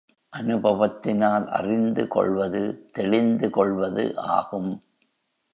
அநுபவத்தினால் அறிந்து கொள்வது தெளிந்து கொள்வது ஆகும்.